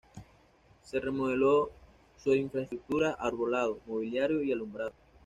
Se remodeló su infraestructura: arbolado, mobiliario y alumbrado.